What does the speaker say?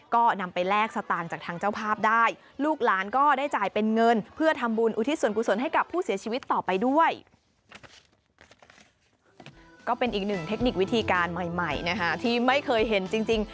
เป็นอีกหนึ่งเทคนิควิธีการใหม่ที่ไม่เคยเห็นจริง